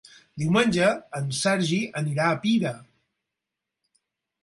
Diumenge en Sergi anirà a Pira.